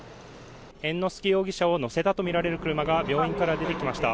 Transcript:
猿之助容疑者を乗せたとみられる車が病院から出てきました。